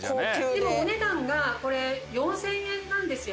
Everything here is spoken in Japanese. でもお値段がこれ４０００円なんですよ。